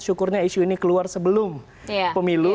syukurnya isu ini keluar sebelum pemilu